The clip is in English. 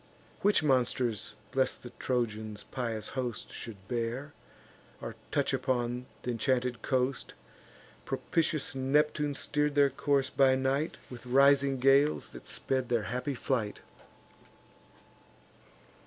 Which monsters lest the Trojans' pious host Should bear, or touch upon th' inchanted coast, Propitious Neptune steer'd their course by night With rising gales that sped their happy flight.